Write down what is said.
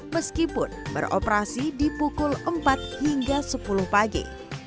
meskipun beroperasi di pukul empat hingga sepuluh pagi